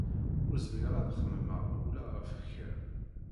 Ur zmireɣ ad xemmemeɣ ula ɣef kra.